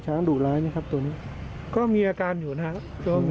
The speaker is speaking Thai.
ช้างหรูร้ายไหมครับตัวนี้ก็มีอาการอยู่นะฮะ